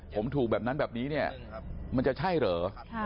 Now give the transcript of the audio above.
ผมถูกแบบนั้นแบบนี้เนี่ยมันจะใช่เหรอ